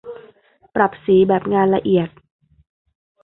ปรับสีแบบงานละเอียด